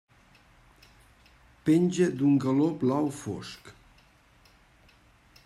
Penja d'un galó blau fosc.